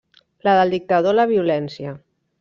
La del dictador la violència.